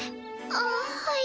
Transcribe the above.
あっはい。